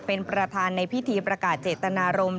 เป็นประธานในพิธีประกาศเจตนารมณ